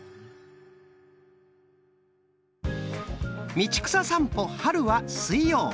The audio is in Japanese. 「道草さんぽ・春」は水曜。